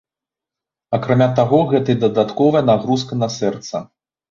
Акрамя таго, гэта і дадатковая нагрузка на сэрца.